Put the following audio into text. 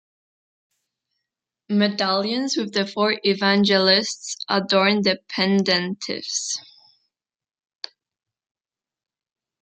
Medallions with the Four Evangelists adorn the pendentives.